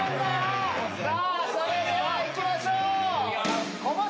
それではいきましょう。